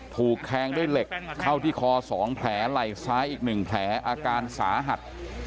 ถูกแทงด้วยเหล็กเข้าที่คอ๒แผลไหล่ซ้ายอีก๑แผลอาการสาหัส